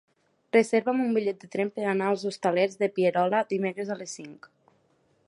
Reserva'm un bitllet de tren per anar als Hostalets de Pierola dimecres a les cinc.